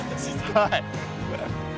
はい。